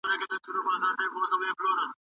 که موضوع ساده وي نو وخت به کم واخلي.